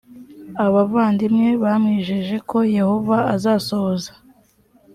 abavandimwe bamwijeje ko yehova azasohoza